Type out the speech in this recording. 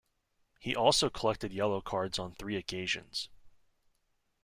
He also collected yellow cards on three occasions.